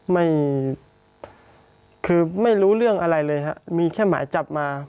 ไม่คือไม่รู้เรื่องอะไรเลยฮะมีแค่หมายจับมา